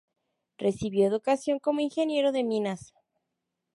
Recibió educación como ingeniero de minas.